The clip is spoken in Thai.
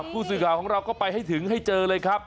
ผู้สื่อข่าวของเราก็ไปให้ถึงให้เจอเลยครับ